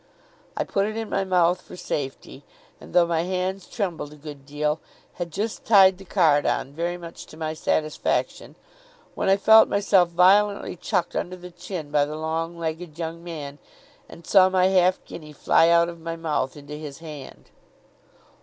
I put it in my mouth for safety, and though my hands trembled a good deal, had just tied the card on very much to my satisfaction, when I felt myself violently chucked under the chin by the long legged young man, and saw my half guinea fly out of my mouth into his hand.